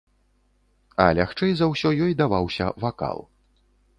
А лягчэй за ўсё ёй даваўся вакал.